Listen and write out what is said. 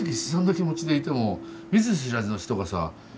気持ちでいても見ず知らずの人がさ